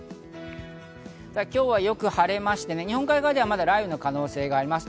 今日はよく晴れまして、日本海側では雷雨の可能性があります。